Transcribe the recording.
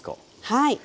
はい。